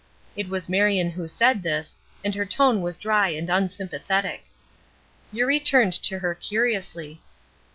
It was Marion who said this, and her tone was dry and unsympathetic. Eurie turned to her curiously.